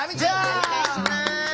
はいお願いします。